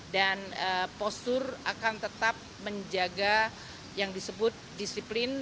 dan postur akan tetap menjaga yang disebut disiplin